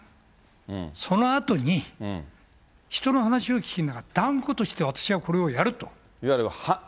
そのあとに、人の話を聞くのは断固として私はこれをやると。